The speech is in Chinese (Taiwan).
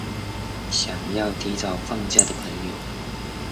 想要提早放假的朋友